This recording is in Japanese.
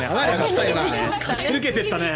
駆け抜けていったね。